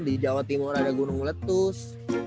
di jawa timur ada gunung meletus